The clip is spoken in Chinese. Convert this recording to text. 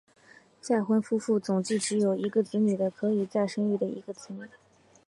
再婚夫妇总计只有一个子女的可以再生育一个子女。